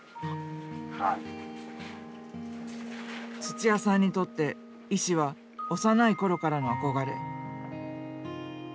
土屋さんにとって医師は幼い頃からの憧れ。